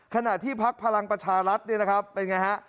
ขณะที่พักพลังประชารัฐเป็นอย่างไร